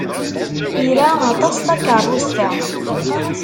Ira aṭas takeṛṛust-a.